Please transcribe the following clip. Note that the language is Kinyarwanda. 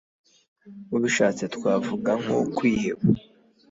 ubishatse twavuga nko kwiheba